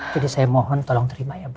jadi saya mohon tolong terima ya bu